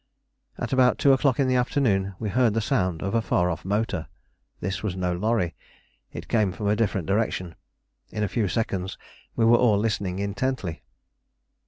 At about two o'clock in the afternoon we heard the sound of a far off motor. This was no lorry. It came from a different direction. In a few seconds we were all listening intently.